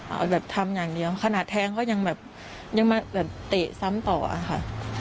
เอาแบบทำอย่างเดียวขนาดแทงก็ยังแบบยังมาแบบเตะซ้ำต่อค่ะ